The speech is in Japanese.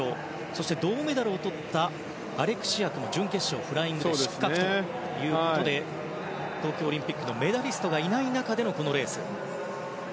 そして銅メダルをとった選手も準決勝、フライングで失格ということで東京オリンピックのメダリストがいない中でのこのレース。